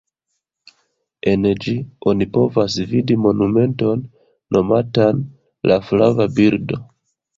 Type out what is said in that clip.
En ĝi, oni povas vidi monumenton nomatan “La flava birdo”.